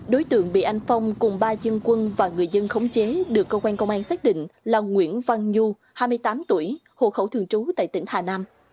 đối tượng bị anh phong cùng ba dân quân và người dân khống chế được cơ quan công an xác định là nguyễn văn nhu hai mươi tám tuổi hộ khẩu thường trú tại tỉnh hà nam